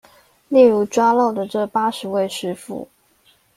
例如抓漏的這八十位師傅